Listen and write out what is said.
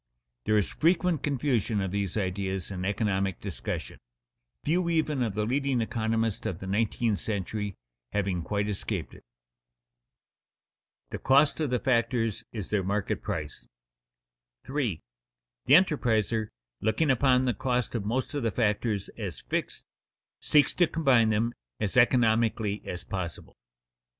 There is frequent confusion of these ideas in economic discussion, few even of the leading economists of the nineteenth century having quite escaped it. [Sidenote: The cost of the factors is their market price] 3. _The enterpriser, looking upon the cost of most of the factors as fixed, seeks to combine them as economically as possible.